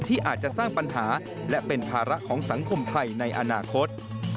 ที่อาจจะสร้างปัญหาและเป็นภาระของสังคมไทยในอนาคต